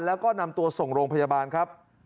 แล้วก็นำตัวส่งโรงพยาบาลครับ